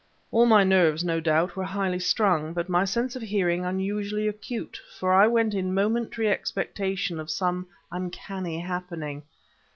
All my nerves, no doubt, were highly strung, and my sense of hearing unusually acute, for I went in momentary expectation of some uncanny happening.